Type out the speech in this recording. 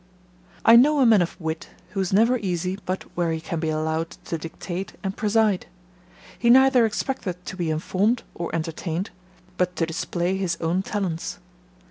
I know a man of wit, who is never easy but where he can be allowed to dictate and preside: he neither expecteth to be informed or entertained, but to display his own talents.